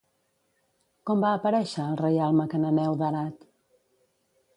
Com va aparèixer el reialme cananeu d'Arad?